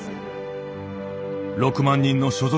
６万人の所属